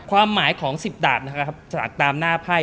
ความหมายของ๑๐ดาบนะครับจากตามหน้าไพ่